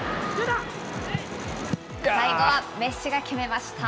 最後はメッシが決めました。